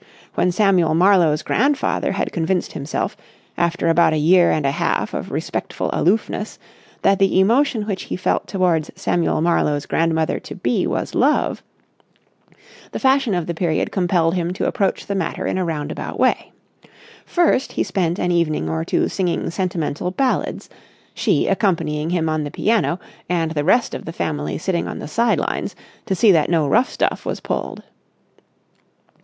When Samuel Marlowe's grandfather had convinced himself, after about a year and a half of respectful aloofness, that the emotion which he felt towards Samuel Marlowe's grandmother to be was love, the fashion of the period compelled him to approach the matter in a roundabout way. First, he spent an evening or two singing sentimental ballads, she accompanying him on the piano and the rest of the family sitting on the side lines to see that no rough stuff was pulled.